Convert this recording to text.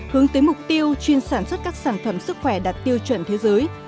hướng tới mục tiêu chuyên sản xuất các sản phẩm sức khỏe đạt tiêu chuẩn thế giới